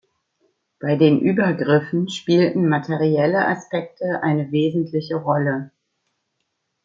Bei den Übergriffen spielten materielle Aspekte eine wesentliche Rolle.